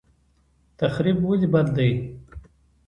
تخریب ولې بد دی؟